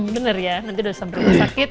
bener ya nanti langsung ke rumah sakit